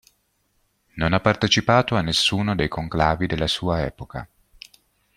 Non ha partecipato a nessuno dei conclavi della sua epoca.